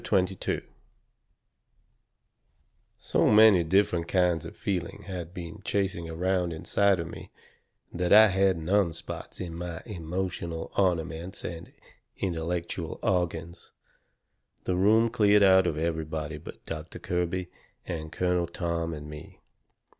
CHAPTER XXII So many different kinds of feeling had been chasing around inside of me that I had numb spots in my emotional ornaments and intellectual organs. The room cleared out of everybody but Doctor Kirby and Colonel Tom and me.